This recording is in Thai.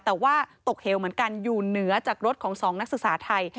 แต่ว่าตกเหวเหมือนกันอยู่เหนือจากรถของสองนักศึกษาไทย